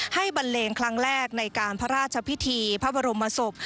บันเลงครั้งแรกในการพระราชพิธีพระบรมศพ